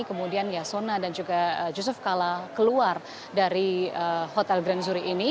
kemudian yasona dan juga yusuf kala keluar dari hotel grand zuri ini